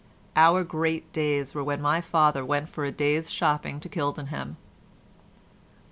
Our great days were when my father went for a day's shopping to Gildenham.